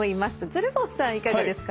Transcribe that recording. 鶴房さんいかがですか？